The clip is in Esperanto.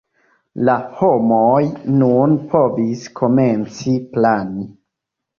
La homoj nun povis komenci plani.